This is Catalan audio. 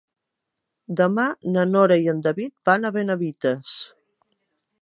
Demà na Nora i en David van a Benavites.